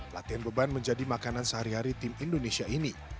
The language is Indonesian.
latihan beban menjadi makanan sehari hari tim indonesia ini